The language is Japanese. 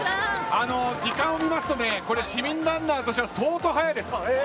時間を見ると市民ランナーとしては相当速いです。